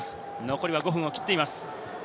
残りは５分を切っています。